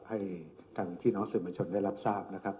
ให้ทางพี่น้องสื่อมวลชนได้รับทราบนะครับ